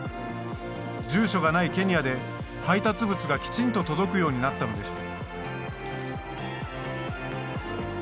住所がないケニアで配達物がきちんと届くようになったのです。